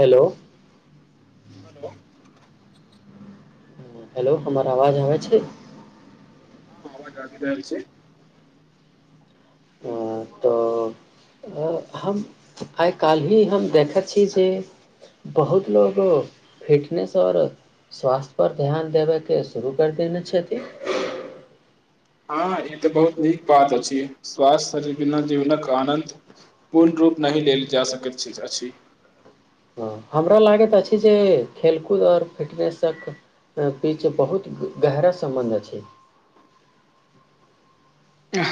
hello hello hello हमर आवाज आबै छै हँ आवाज आवी रहल छै अ, तऽ अ, हम आइ काल्हि भी हम देखैत छी जे बहुत लोको फिटनेस ओर स्वास्थ पर ध्यान देबयके शुरू करि देने छथिन हँ ई तऽ बहुत नीक बात अछि स्वास्थ्य श बिना जीवनक आनन्द पूर्ण रूप नहि लेल जा सकैत अछि अ, हमरा लागेत अछि जें खेल खुद आऔर फिटनस कें बीच गहरा संबंध अछि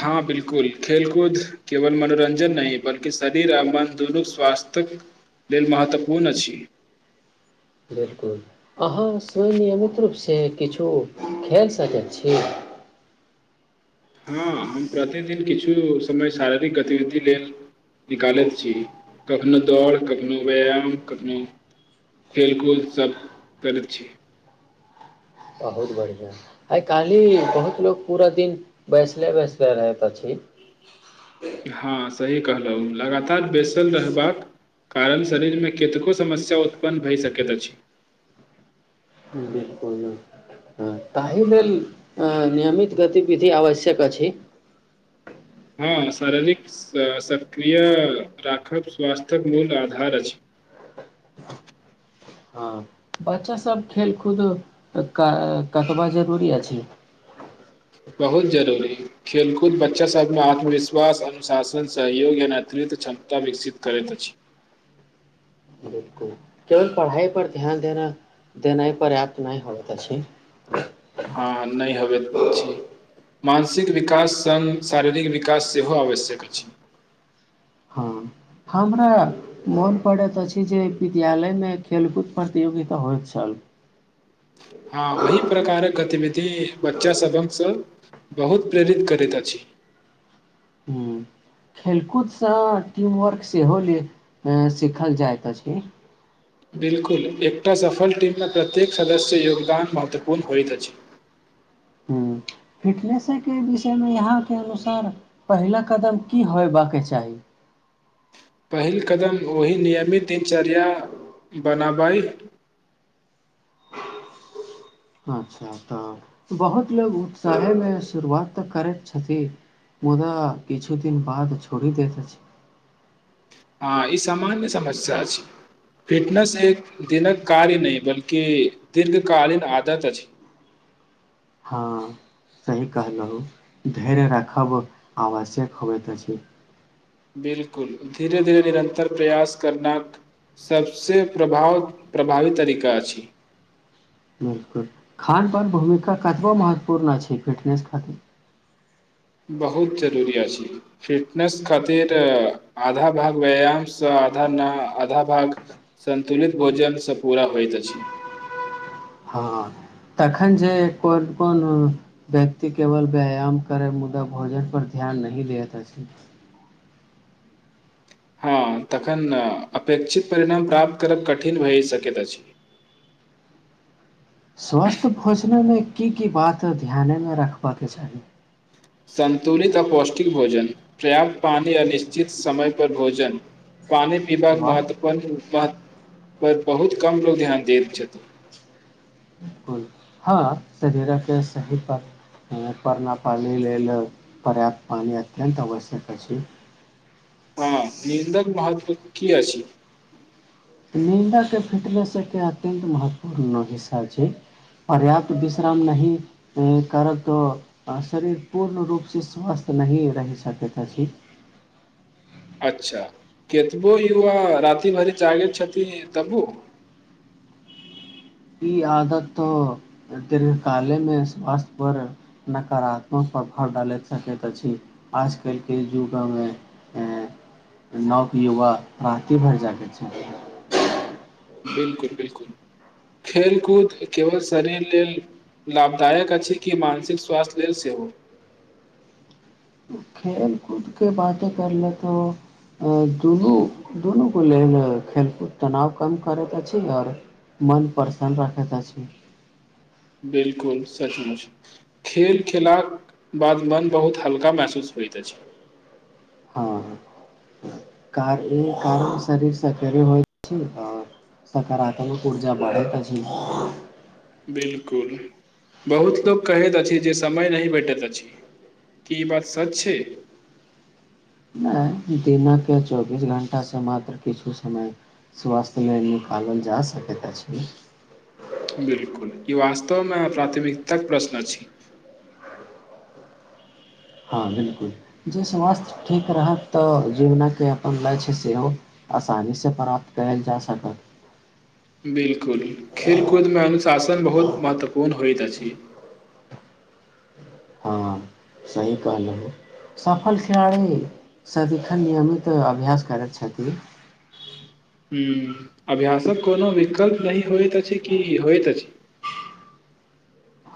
हँ बिलकुल खेलकूद केवल मनोरंजन नहि बल्कि शरीर आ मन दुनू स्वास्थक लेल महत्वपूर्ण अछि बिलकुल अहाँ स्वयनियमित रूप से किछो खेल सकैत छी हँ हम प्रतिदिन किछु समय शारीरिक गतिविधि लेल निकालैत छी कखनो दौड़ कखनो व्यायाम कखनो खेलकूद सभ करैत छी बहुत बढ़िया आ काली बहुत लो पूरा दिन बैसले बैसले रहेत अछि हँ सही कहलहुँ लगातार बेसल रहबाक कारण शरीरमे केतको समस्या उत्पन्न भए सकैत अछि बिल्कुल ताहि लेल अ नियमित गतिविधि आवश्यक अछि हँ शारीरिक सक्रिय राखब स्वास्थ्य्यक मूल आधार अछि हँ बच्चासभ खेलकूद क कतबा जरूरी अछि बहुत जरूरी खेलकूद बच्चा सभमे आत्मविश्वास अनुशासन सहयोग या नेतृत्व क्षमता विकसित करैत अछि बिलकुल केवल पढ़ाइ पर ध्यान देना देनाइ पर्याप्त नइ होइत अछि हँ नहि होबैत मानसिक विकास सङ्ग शारीरिक विकास सेहो आवश्यक अछि हँ हमरा मोन पड़ैत अछि जे विद्यालयमे खेलकूद प्रतियोगिता होइत छल हँ ओहि प्रकारक गतिविधि बच्चा सभक सँ बहुत प्रेरित करैत अछि हूँ खेलकूदसँ टीमवर्क सेहो ले सीखल जाइत अछि बिलकुल एकटा सफल टिम मे प्रत्येक सदस्य योगदान महत्वपूर्ण होइत अछि हूँ फिटनेसेके विषयमे आहाँके अनुसार पहिला कदम की होयबाक चाही पहिल कदम ओहि नियमित दिनचर्या बनाबै अच्छा तऽ बहुत लोग उत्साहेमे शुरुआत तऽ करैत छथि मुदा किछु दिन बाद छोड़ि दैत अछि हँ ई सामान्य समस्या अछि फिटनेस एक दिनक कार्य नहि बल्कि दीर्घकालीन आदत अछि हँ सही कहलहुँ धैर्य राखब आवश्यक होबैत त छै बिलकुल धीरे धीरे निरन्तर प्रयास करना सबसे प्रभाव प्रभावी तरीका अछि बिलकुल खानपान भूमिका कतबो महत्वपूर्ण छै फिटनेस खातिर बहुत जरूरी अछि फिटनेस खातिर आधा भाग व्यायामसँ आधा न आधा भाग सन्तुलित भोजनसँ पूरा होइत अछि हँ तखन जे कोन कोन व्यक्ति केवल व्यायाम करै मुदा भोजन पर ध्यान नहि लेयैत अछि हँ तखन अपेक्षित परिणाम प्राप्त करब कठिन भए सकैत अछि स्वस्थ भोजनमे की की बात ध्यानमे रखबाकके चाही सन्तुलित आ पौष्टिक भोजन पर्याप्त पानी अनिश्चित समय पर भोजन पानी पिबाक वाह महत्व प पन पर बहुत कम लोक ध्यान दैत छथिन बिलकुल हँ शरीरक सही परण पानी लेल पर्याप्त पानि अत्यन्त आवश्यक अछि हँ निन्दक महत्व की अछि निन्दक फिटनेस के अत्यन्त महत्वपूर्ण हिस्सा छै पर्याप्त विश्राम नहि करब तऽ शरीर पूर्ण रूपसँ स्वस्थ नहिए रहि सकैत अछि अच्छा केतबो युवा राति भरि जागे छथिन तबो ई आदत तऽ दीर्घकालेमे स्वास्थ्यपर नकारात्मक प्रभाव डालैत सकैत अछि आज कलके युगमे नव युवा राति भरि जागै छै बिलकुल बिलकुल खेलकूद केवल शरीर लेल लाभदायक अछि कि मानसिक स्वास्थ्य लेल सेहो खेलकूदके बाते कर ले तऽ दुनू दुनूके लेल खेलकूद तनाव कम करैत अछि आओर मन प्रसन्न राखैत अछि बिलकुल सचमुच खेल खेलाक बाद मन बहुत हल्का महसूस होइत अछि हँ ह कार ई कारण शरीर सकेरे होइ छै आ सकारात्मक ऊर्जा बढ़ैत अछि बिलकुल बहुत लोक कहैत अछि जे समय नहि भेटैत अछि की ई बात सच छै नहि दिनके चौबीस घण्टासँ मात्र किछु समय स्वास्थ्य लेल निकालल जा सकैत अछि बिलकुल ई वास्तवमे प्राथमिकताक प्रश्न छी हँ बिलकुल जे स्वास्थ्य ठीक रहत तऽ जीवनके अपन लक्ष्य सेहो आसानीसँ प्राप्त कयल जा सकत बिल्कुल खेलकूदमे अनुशासन बहुत महत्वपूर्ण होइत अछि पी हँ सही कहलहुँ सफल खिलाड़ी सदिखन नियमित अभ्यास करैत छथिन हूं अभ्यासक कोनो विकल्प नहि होइत अछि कि होइत अछि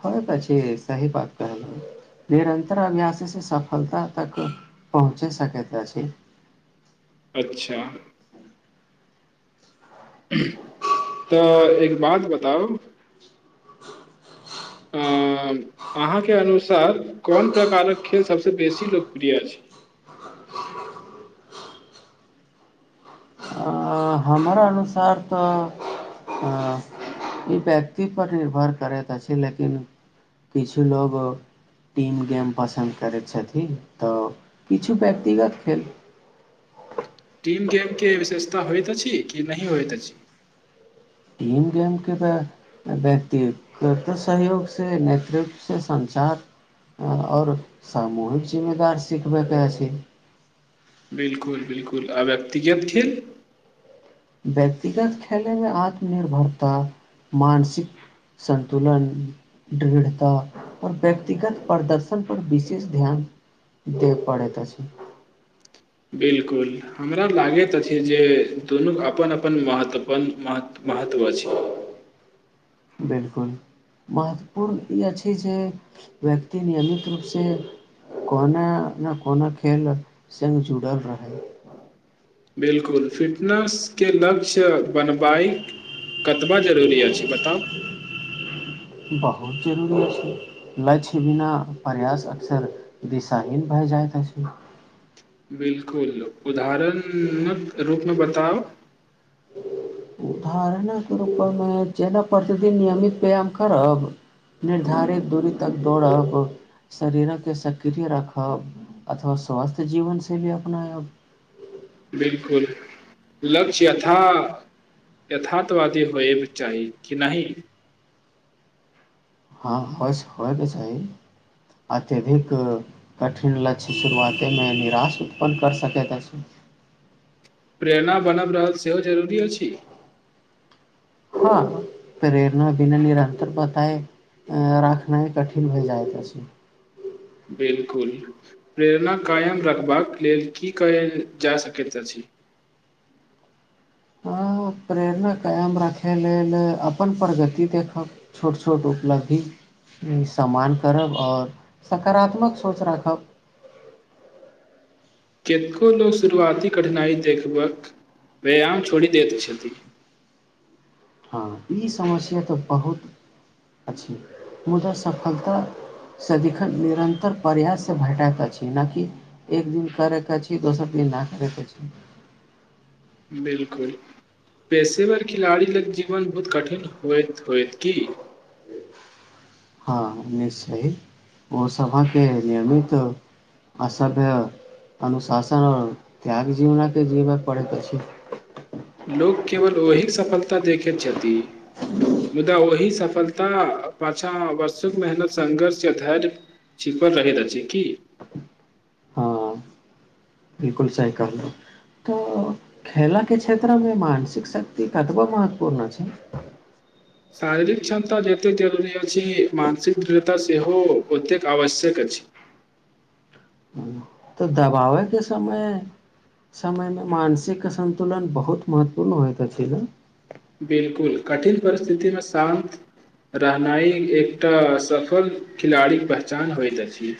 होइ तो छई सही बात कहलह निरंतर अभ्यास से सफलता तक पहुँचे सकत अछि अच्छा तऽ एक बात बताउ अं अहाँके अनुसार कोन प्रकारक खेल सबसँ बेसी लोकप्रिय छै अ, हमरा अनुसार तऽ ई व्यक्तिपर निर्भर करैत अछि लेकिन किछु लोग टीम गेम पसन्द करैत छथिन तऽ किछु व्यक्तिगत खेल टीम गेमके विशेषता होइत अछि कि नहि होइत अछि टीम गेमके त व्यक्तिगत सहयोगसँ नेतृत्वसँ सञ्चार आओर सामूहिक जिम्मेदार सिखबैत अछि बिलकुल बिलकुल आ व्यक्तिगत खेल व्यक्तिगत खेले मे आत्मनिर्भरता मानसिक संतुलन दृढ़ता आउर व्यक्तिगत प्रदर्शन पर विशेष ध्यान दे पड़ैत अछि बिलकुल हमरा लागैत अछि जे दुनूके अपन अपन महत्व अपन मह महत्व अछि बिलकुल महत्वपूर्ण ई अछि जे व्यक्ति नियमित रूपसँ कोनो ने कोनो खेल सङ्ग जुड़ल रहय बिलकुल फिटनेस के लक्ष्य बनबाइक कतबा जरूरी अछि बताउ बहुत जरूरी छै लक्ष्य बिना प्रयास अक्सर दिशाहीन भए जाइत अछि बिलकुल उदाहरणक रूपमे बताउ उदाहरणाके रूपेमे जेना प्रतिदिन नियमित व्यायाम करब निर्धारित दूरी तक दौड़ब शरीरकके सक्रिय राखब अथवा स्वास्थ्य जीवन से भी अपनायब बिलकुल लक्ष्य यथा यथार्ातवादी होयके चाही कि नहि हँ होयस होयके चाही अत्यधिक कठिन लक्ष्य शुरुआतेमे निराश उत्पन्न करि सकैत अछि प्रेरणा बनब रहल सेहो जरूरी अछि हँ प्रेरणा बिना निरन्तर पताइ रखनाइ ह कठिन भेलै जाइ त छै बिलकुल प्रेरणा कायम रखबाक लेल की कहयल जा सकैत अछि हँ हो प्रेरणा कायम राखय लेल अपन प्रगति देखब छोट छोट उपलब्धि सम्मान करब आओर सकारात्मक सोच राखब कतेको लोक शुरुआती कठिनाइ देखबाक व्यायाम छोड़ि दैत छथि हँ ई समस्या तऽ बहुत अछि मुदा सफलतास सदिखन निरन्तर प्रयाससँ भेटाैत अछि नहि किि एक दिन करयके अछि दोसर दिन नहि करयके छै बिलकुल पेशेवर खिलाड़ी लग जीवन बहुत कठिन होइत होइत की हँ निश्चयी ओसभहके नियमित असभ्य अनुशासन आओर त्याग जीवनाके जीबय पड़ैत अछि लोक केवल ओहि सफलता देखैत छथि मुदा ओहि सफलता पाछाँ वर्षुक मेहनत संङ्घर्ष य धैर्य छिपल रहैत अछि की हँ बिलकुल सही कहलहु तऽ खेलाके क्षेत्रमे मानसिक शक्ति कतबा महत्वपूर्ण छै शारीरिक क्षमता जतेक जरूुरी अ छै मानसिक दृढ़ता सेहोहो ओतेक आवश्यक अछि ह तऽ दबावयके समय समयमे मानसिक संन्तुलन बहुत महत्वपूर्ण होइत अछि ने बिलकुल कठिन परिस्थितिमे शान्त रहनाइ एकटा अ सफल खिलाड़ीक पहचान होइत अछि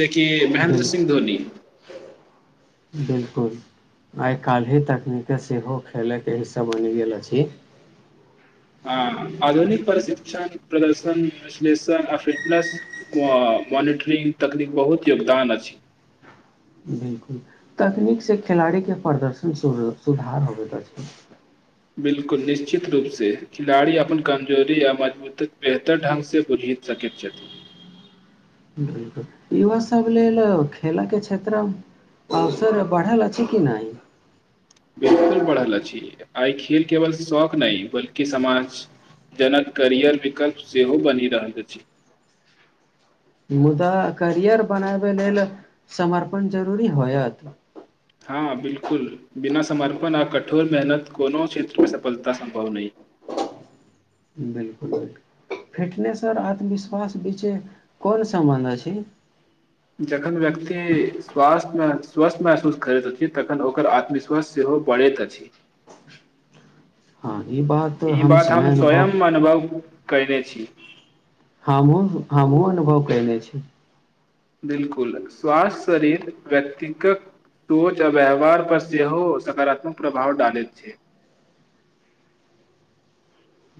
से के बिल महेन्द्र सिंह धोनी बिल्कुल आइ काल्हि तकनीकके सेहो खेलयके हिस्सा बनि गेल अछि हँ आधुनिक प्रशिक्षण प्रदर्शन विश्लेषण आ फिटनेस मॉनिटरिंग तकनीक बहुत योगदान अछि बिलकुल तकनीक से खिलाड़ीके प्रदर्शन सुधार होबे बिलकुल निश्चित रूपसँ खिलाड़ी अपन कमजोरी आ मजबूत बेहतर ढङ्गसँ बुझि सकैत छथिन बिलकुल युवास सभ लेल खेलयके क्षेत्रमे अवसर बढ़ल अछि कि नहि बिल्कुल बढ़ल अछि आइ खेल केवल शौक नहि बल्कि समाज जनक करियर विकल्प सेहो बनि रहल अछि मुदा करियर बनाबै लेल समर्पण जरूरी होयत हँ बिलकुल बिना समर्पण आ कठोर मेहनत कोनो क्षेत्र मे सफलता सं्भव नहि बिलकुल फिटनेस आओर आत्मविश्वास बीचे कोन सम्बन्ध छै जखन व्यक्ति स्वास्थ्यमे स्वस्थ महसूस करैत अछि तखन ओकर आत्मविश्वास सेहो बढ़ैत अछि हँ ई बात ई बात हम स्वयं अनुभव अनुभव कहिनेे छी हमहुँ हमहुँ अनुभव कने छी बिलकुल स्वास्थ्य शरीर व्यक्तिगत सोच आ व्यवहार पर सेहो सकारात्मक प्रभाव डालैत छै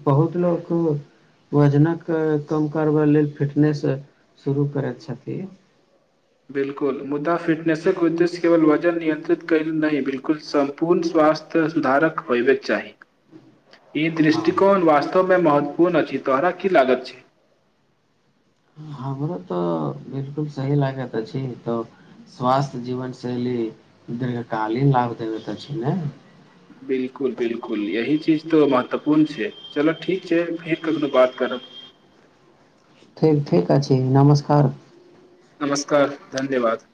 बहुत लोक वजनक कम करबै लेल फिटनेस शुरू करैत छथिन बिलकुल मुदा फिटनेसक उद्देश्य केवल वजन नियन्त्रित कयल नहि बिलकुल सम्पूर्ण स्वास्थ्य सुधारक होयबाक चाही ई हँ दृष्टिकोण वास्तव महत्वपूर्ण छी तोहरा की लागत छै हमरो तऽ बिलकुल सही लागैत अछि तऽ स्वास्थ्य जीवन शैली दीर्घकालीन लाभ देब अछि ने बिलकुल बिलकुल यही चीज तऽ महत्वपूर्ण छै चलऽ ठीक छै फेर कखनो बात करब ठीक ठीक अछा नमस्कार नमस्कार धन्यवाद